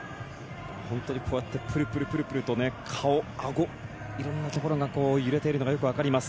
本当にこうやってプルプルと顔、あご色んなところが揺れているのがわかります。